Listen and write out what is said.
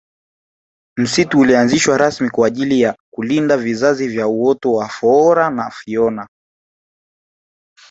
msitu ulianzishwa rasmi kwa ajili ya kulinda vizazi vya uoto wa foora na fiona